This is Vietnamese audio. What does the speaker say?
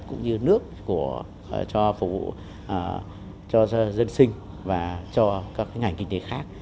cũng như nước cho dân sinh và cho các ngành kinh tế khác